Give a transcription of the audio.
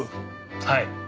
はい。